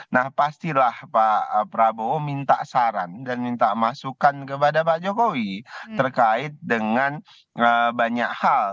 nah pastilah pak prabowo minta saran dan minta masukan kepada pak jokowi terkait dengan banyak hal